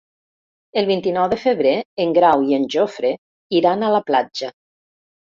El vint-i-nou de febrer en Grau i en Jofre iran a la platja.